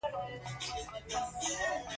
روژه د عبادتونو موسم دی.